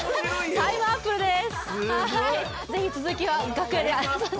タイムアップルです。